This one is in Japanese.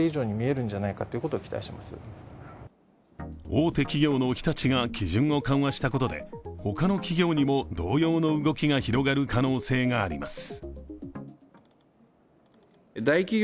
大手企業の日立が基準を緩和したことで、他の企業にも同様の動きが広がる可能性があります。